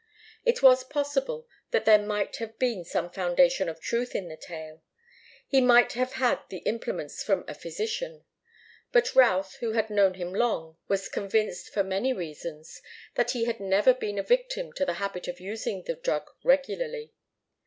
It was possible that there might have been some foundation of truth in the tale. He might have had the implements from a physician. But Routh, who had known him long, was convinced, for many reasons, that he had never been a victim to the habit of using the drug regularly.